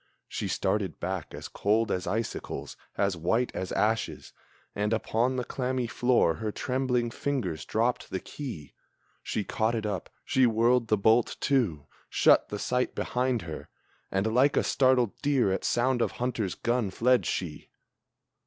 She started back as cold as icicles, as white as ashes, And upon the clammy floor her trembling fingers dropped the key. She caught it up, she whirled the bolt to, shut the sight behind her, And like a startled deer at sound of hunter's gun, fled she!